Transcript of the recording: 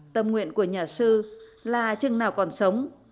tâm nguyện của nhà sư là chừng nào còn sống